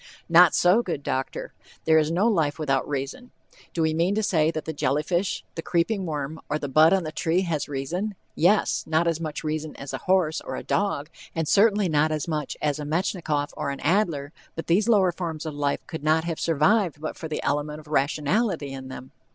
Not so, good doctor! There is no life without reason. Do we mean to say that the jelly fish, the creeping worm, or the bud on the tree has reason? Yes; not as much reason as a horse or a dog, and certainly not as much as a Metchnikoff or an Adler, but these lower forms of life could not have survived but for the element of rationality in them.